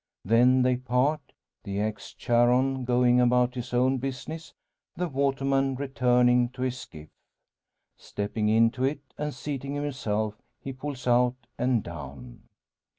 Then they part, the ex Charon going about his own business, the waterman returning to his skiff. Stepping into it, and seating himself, he pulls out and down.